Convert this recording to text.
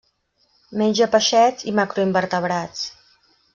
Menja peixets i macroinvertebrats.